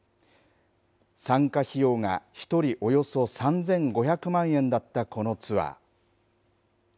参加費用が１人およそ３５００万円だったこのツアー。